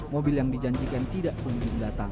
mobil yang dijanjikan tidak kunjung datang